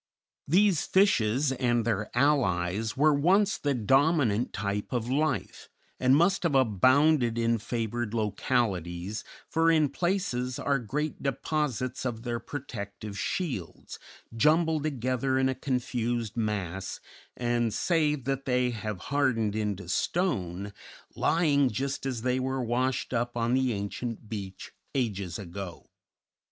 These fishes and their allies were once the dominant type of life, and must have abounded in favored localities, for in places are great deposits of their protective shields jumbled together in a confused mass, and, save that they have hardened into stone, lying just as they were washed up on the ancient beach ages ago.